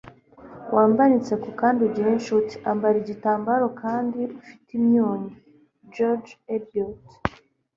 wambare inseko kandi ugire inshuti; ambara igitambaro kandi ufite imyunyu. - george eliot